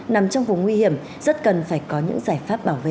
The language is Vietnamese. nằm trong vùng nguy hiểm rất cần phải có những giải pháp bảo vệ